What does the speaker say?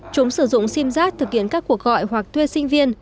chúng sử dụng sim giác thực hiện các cuộc gọi hoặc thuê sinh viên